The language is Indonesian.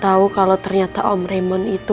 tau kalo ternyata om raymond itu